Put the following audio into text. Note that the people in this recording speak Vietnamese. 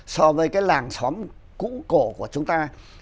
so với cái làng xóm cũ cổ của chúng ta